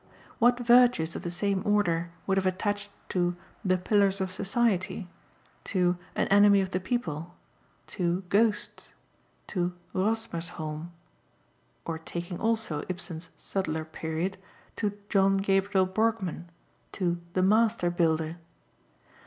What virtues of the same order would have attached to 'The Pillars of Society,' to 'An Enemy of the People,' to 'Ghosts,' to 'Rosmersholm' (or taking also Ibsen's 'subtler period') to 'John Gabriel Borkmann,' to 'The Master Builder'?